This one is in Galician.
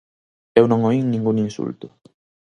Eu non oín ningún insulto.